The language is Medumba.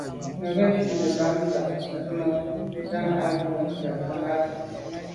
Mə̀ gə ̀fít nə̀ bɑ́mə́ tà' nsí mə̄ gə́ cɛ̌d yə́ bú cɛ̌d Ahmadou.